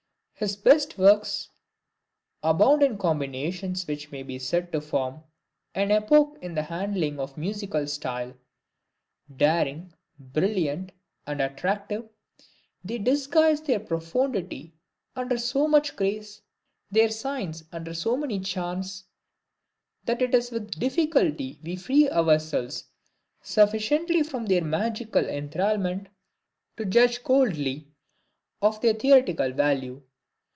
His best works abound in combinations which may be said to form an epoch in the handling of musical style. Daring, brilliant and attractive, they disguise their profundity under so much grace, their science under so many charms, that it is with difficulty we free ourselves sufficiently from their magical enthrallment, to judge coldly of their theoretical value.